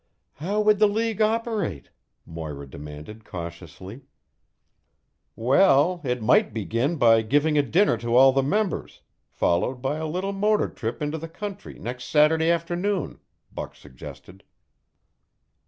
"How would the league operate?" Moira demanded cautiously. "Well, it might begin by giving a dinner to all the members, followed by a little motor trip into the country next Saturday afternoon," Buck suggested.